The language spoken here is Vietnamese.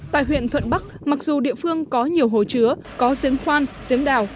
tại huyện thuận bắc mặc dù địa phương có nhiều hồ chứa có giếng khoan giếng đào